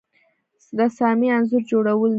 رسامي انځور جوړول دي